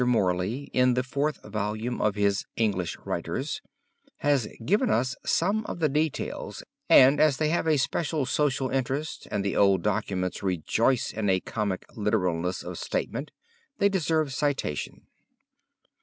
Morley, in the fourth volume of his "English Writers," has given us some of these details and as they have a special social interest and the old documents rejoice in a comic literalness of statement, they deserve citation.